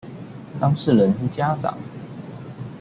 當事人之家長